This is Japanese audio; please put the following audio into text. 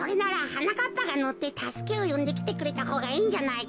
かっぱがのってたすけをよんできてくれたほうがいいんじゃないか？